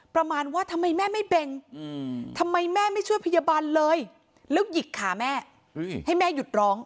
ประมาณว่าทำไมแม่ไม่เบ่งทำไมแม่ไม่ช่วยพยาบาลเลยแล้วหยิกขาแม่ให้แม่หยุดร้อง